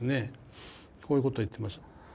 こういうこと言ってます。